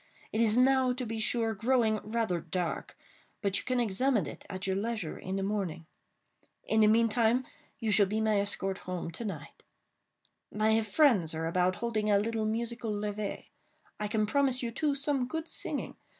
It is now, to be sure, growing rather dark—but you can examine it at your leisure in the morning. In the meantime, you shall be my escort home to night. My friends are about holding a little musical levée. I can promise you, too, some good singing.